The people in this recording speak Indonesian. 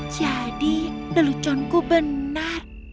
jadi neluconku benar